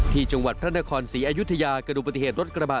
ที่จังหวัดพระนครศรีอยุธยากระดูกปฏิเหตุรถกระบะ